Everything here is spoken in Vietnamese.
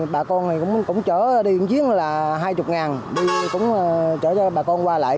bà con cũng chở đi một chiếc là hai mươi ngàn đi cũng chở cho bà con qua lại